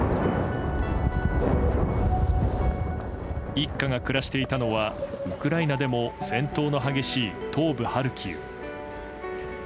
一家が暮らしていたのはウクライナでも戦闘の激しい東部ハルキウ。